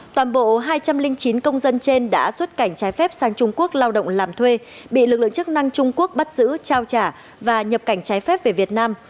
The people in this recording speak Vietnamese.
toàn bộ hai trăm linh chín công dân trên đã xuất cảnh trái phép sang trung quốc lao động làm thuê bị lực lượng chức năng trung quốc bắt giữ trao trả và nhập cảnh trái phép về việt nam